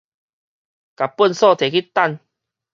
共糞埽提去擲